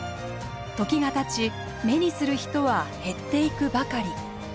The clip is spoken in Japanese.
時がたち目にする人は減っていくばかり。